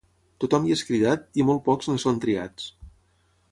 Tothom hi és cridat i molt pocs en són triats.